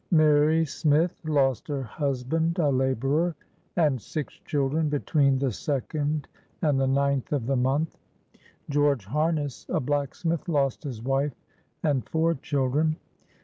"Mary Smith, lost her husband (a laborer) and six children between the second and the ninth of the month. George Harness, a blacksmith, lost his wife and four children.